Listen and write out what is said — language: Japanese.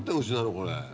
これ。